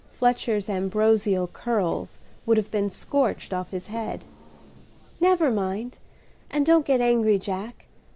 Fletcher's ambrosial curls would have been scorched off his head. "Never mind, and don't get angry, Jack.